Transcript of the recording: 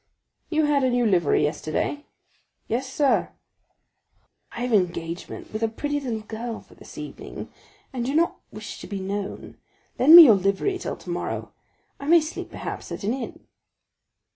"You had a new livery yesterday?" "Yes, sir." "I have an engagement with a pretty little girl for this evening, and do not wish to be known; lend me your livery till tomorrow. I may sleep, perhaps, at an inn."